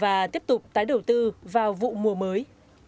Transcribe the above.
và tiếp tục tái đầu tư vào vụ mùa mới